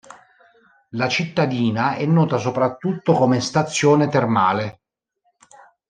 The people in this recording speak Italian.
La cittadina è nota soprattutto come stazione termale.